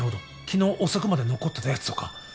昨日遅くまで残ってたやつとか。